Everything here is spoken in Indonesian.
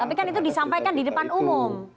tapi kan itu disampaikan di depan umum